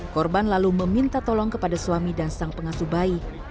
korban lalu meminta tolong kepada suami dan sang pengasuh bayi